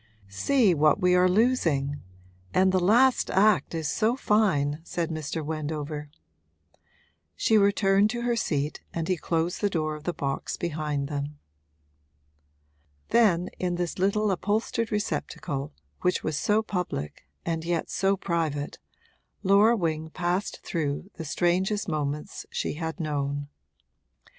'See what we are losing! And the last act is so fine,' said Mr. Wendover. She returned to her seat and he closed the door of the box behind them. Then, in this little upholstered receptacle which was so public and yet so private, Laura Wing passed through the strangest moments she had known.